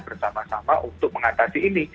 bersama sama untuk mengatasi ini